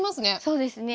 そうですね。